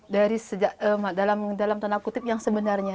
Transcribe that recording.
dari sejak dalam tanda kutip yang sebenarnya